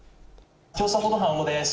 調査報道班の小野です。